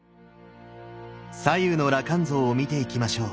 左右の羅漢像を見ていきましょう。